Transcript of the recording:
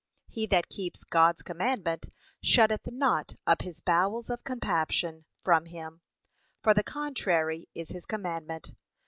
He that keeps God's commandment, shutteth not up his bowels of compassion from him, for the contrary is his commandment.